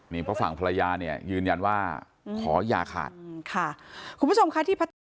นี่พระฝั่งภรรยายืนยันว่าขอยาขาด